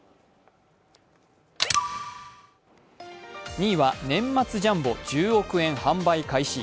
２位は年末ジャンボ１０億円、販売開始。